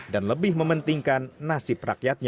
dan lebih mementingkan nasib